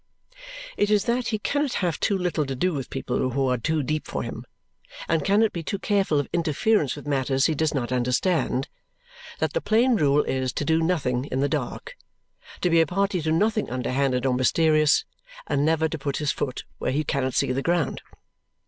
It is that he cannot have too little to do with people who are too deep for him and cannot be too careful of interference with matters he does not understand that the plain rule is to do nothing in the dark, to be a party to nothing underhanded or mysterious, and never to put his foot where he cannot see the ground.